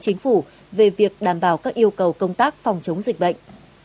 chính phủ về việc đảm bảo các yêu cầu công tác phòng chống dịch bệnh